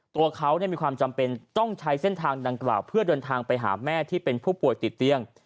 ตัวเขามีความจำเป็นต้องใช้เส้นทางดังกล่าวเพื่อเดินทางไปหาแม่ที่เป็นผู้ป่วยติดเตียง